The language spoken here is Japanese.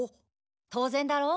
当然だろう。